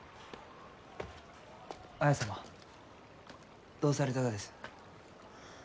綾様どうされたがです？